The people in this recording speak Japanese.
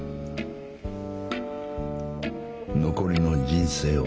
残りの人生を。